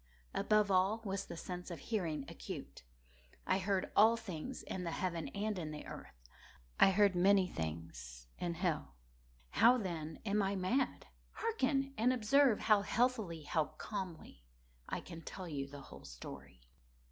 Above all was the sense of hearing acute. I heard all things in the heaven and in the earth. I heard many things in hell. How, then, am I mad? Hearken! and observe how healthily—how calmly I can tell you the whole story.